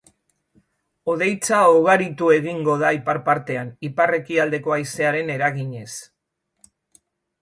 Hodeitza ugaritu egingo da ipar partean, ipar-ekialdeko haizearen eraginez.